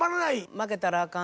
「負けたらあかん